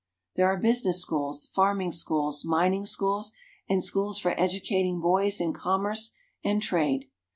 There are business schools, farming schools, mining schools, and schools for educating boys in commerce and trade.